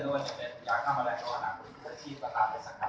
ไม่ว่าจะเป็นยาข้ามอะไรตัวอาหารหรือสิทธิ์ก็ตามเป็นสักครั้ง